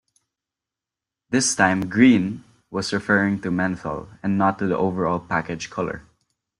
This time "Green" was referring to menthol and not to the overall package color.